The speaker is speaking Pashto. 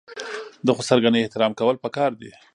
د خسرګنۍ احترام کول پکار دي.